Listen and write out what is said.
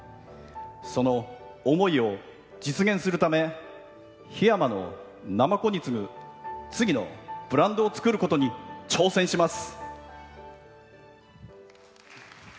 その思いを実現するため檜山のナマコに次ぐ次のブランドを作ることに挑戦します。